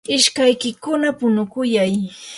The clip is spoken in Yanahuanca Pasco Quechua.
ishkaykikuna punukuyay.